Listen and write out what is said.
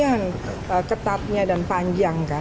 kita harus mencari hal hal yang ketatnya dan panjang kan